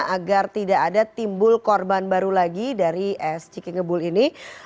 agar tidak ada timbul korban baru lagi dari es ciki ngebul ini